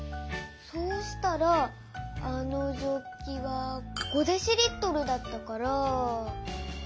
そうしたらあのジョッキは５ｄＬだったから。